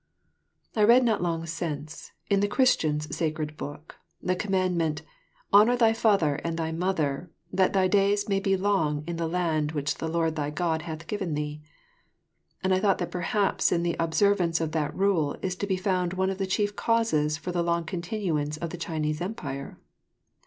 I read not long since, in the Christian's Sacred Book, the commandment, "Honour thy father and thy mother, that thy days may be long in the land which the Lord thy God hath given thee," and I thought that perhaps in the observance of that rule is to be found one of the chief causes for the long continuance of the Chinese Empire.